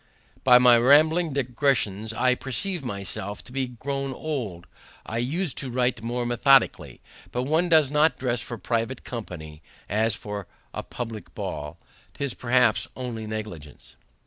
By my rambling digressions I perceive myself to be grown old. I us'd to write more methodically. But one does not dress for private company as for a publick ball. 'Tis perhaps only negligence.